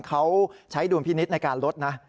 เขาใช้ดุลพินิษฐ์ในการลดนะ